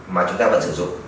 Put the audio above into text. mà chúng ta vẫn sử dụng